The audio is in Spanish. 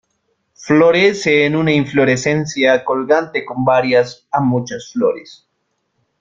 Florece en una inflorescencia colgante con varias a muchas flores.